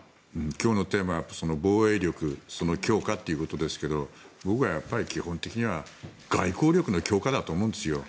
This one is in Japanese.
今日のテーマは防衛力の強化ということですが僕らは基本的には外交力の強化だと思うんですよ。